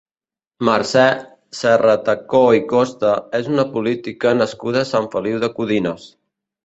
Mercè Serratacó i Costa és una política nascuda a Sant Feliu de Codines.